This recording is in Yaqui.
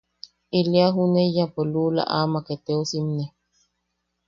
Ili a juʼuneiyapo luula amak eteosimne.